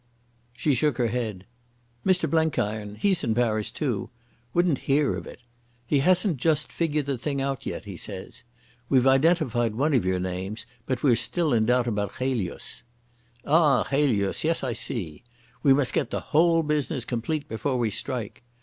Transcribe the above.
She shook her head. "Mr Blenkiron—he's in Paris too—wouldn't hear of it. He hasn't just figured the thing out yet, he says. We've identified one of your names, but we're still in doubt about Chelius." "Ah, Chelius! Yes, I see. We must get the whole business complete before we strike.